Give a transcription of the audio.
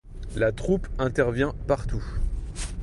La troupe intervient partout.